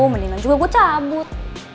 mendingan juga gua cabut